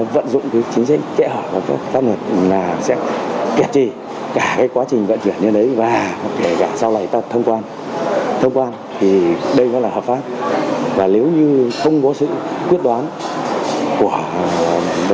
nếu như không có sự quyết đoán của bệnh trí tùy chỉ huyện aged